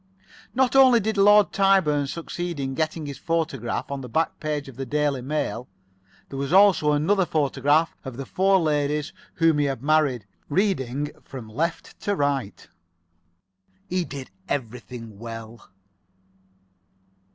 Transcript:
Not only did Lord Tyburn succeed in getting his photograph on to the back page of the "Daily Mail." There was also another photograph of the four ladies whom he had married, reading from left to right. He did everything well.